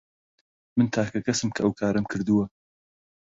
من تاکە کەسم کە ئەو کارەم کردووە.